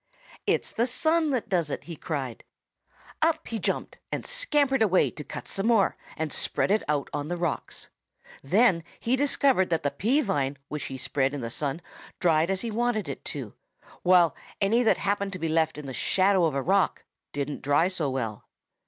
"'It's the sun that does it!' he cried. "Up he jumped and scampered away to cut some more and spread it out on the rocks. Then he discovered that the pea vine which he spread in the sun dried as he wanted it to, while any that happened to be left in the shadow of a rock didn't dry so well.